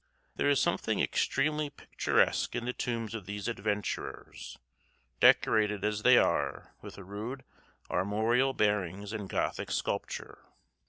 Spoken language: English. There is something extremely picturesque in the tombs of these adventurers, decorated as they are with rude armorial bearings and Gothic sculpture.